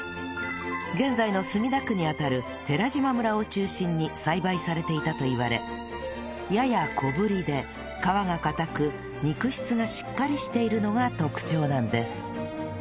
現在の墨田区に当たる寺島村を中心に栽培されていたといわれやや小ぶりで皮が硬く肉質がしっかりしているのが特徴なんです